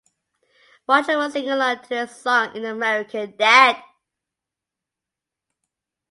Roger was singing along to this song in the American Dad!